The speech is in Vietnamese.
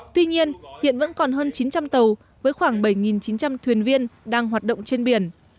tuy nhiên hiện vẫn còn hơn chín trăm linh tàu với khoảng bảy chín trăm linh thuyền viên đang hoạt động trên biển